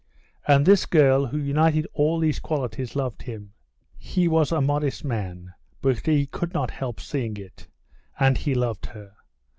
And this girl, who united all these qualities, loved him. He was a modest man, but he could not help seeing it. And he loved her.